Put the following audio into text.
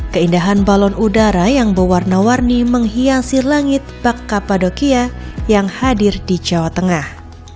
kepada bahasa jawa tengah